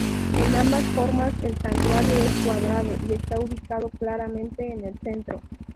En ambas formas, el santuario es cuadrado y está ubicado claramente en el centro.